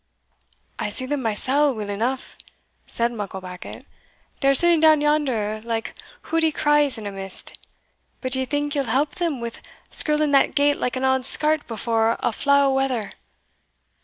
"I see them mysell weel eneugh," said Mucklebackit; "they are sitting down yonder like hoodie craws in a mist; but d'yo think ye'll help them wi' skirling that gate like an auld skart before a flaw o' weather?